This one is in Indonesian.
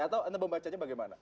atau anda membacanya bagaimana